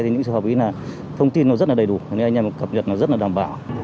những trường hợp ý là thông tin rất đầy đủ nên anh em cập nhật rất đảm bảo